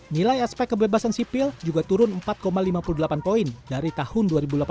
nilai aspek kebebasan sipil juga turun empat lima puluh delapan poin dari tahun dua ribu delapan belas